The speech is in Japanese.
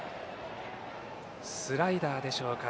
スライダーでしょうか。